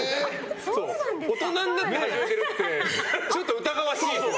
大人になってから始めてるってちょっと疑わしいよね。